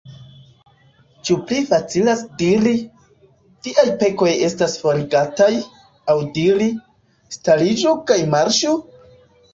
Ĉu pli facilas diri: Viaj pekoj estas forigataj; aŭ diri: Stariĝu kaj marŝu?